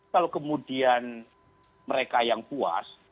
kalau kemudian mereka yang puas